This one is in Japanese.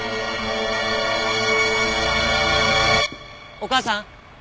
お母さん。